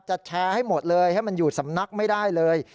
จะแชร์ให้หมดเลยให้มันอยู่สำนักไม่ได้เลย